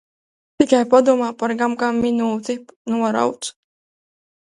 Tikai padomā par Gam Gam minūti, norunāts?